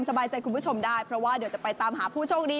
อันนั้นก็อยากจะรู้แล้วว่าใครจะเป็นผู้ช่วงดี